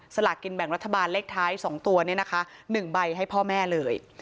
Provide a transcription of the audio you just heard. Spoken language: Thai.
สลากกินแบ่งรัฐบาลเลขท้าย๒ตัว๑ใบให้พ่อแม่เลย